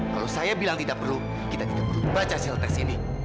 kalau saya bilang tidak perlu kita tidak perlu baca hasil tes ini